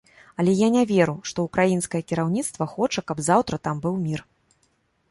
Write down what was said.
Але я не веру, што ўкраінскае кіраўніцтва хоча, каб заўтра там быў мір.